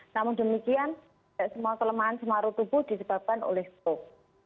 namun demikian semua kelemahan paru tubuh disebabkan oleh stroke